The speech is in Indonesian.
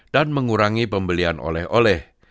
dan mengurangi pembelian oleh oleh